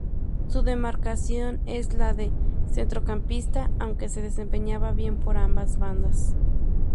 Su demarcación es la de centrocampista, aunque se desempeña bien por ambas bandas.